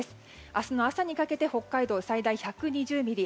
明日の朝にかけて北海道、最大１２０ミリ。